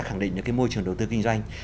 khẳng định những cái môi trường đầu tư kinh doanh